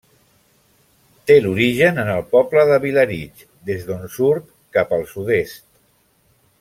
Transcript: Té l'origen en el poble de Vilarig, des d'on surt cap al sud-est.